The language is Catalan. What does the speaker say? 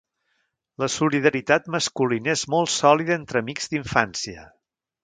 La solidaritat masculina és molt sòlida entre amics d'infància.